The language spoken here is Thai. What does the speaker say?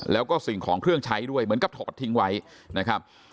แล้วก็สิ่งของเครื่องใช้ด้วยเหมือนกับถอดทิ้งไว้นะครับ